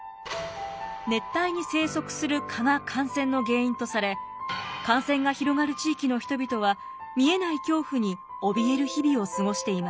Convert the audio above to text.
熱帯に生息する蚊が感染の原因とされ感染が広がる地域の人々は見えない恐怖に怯える日々を過ごしていました。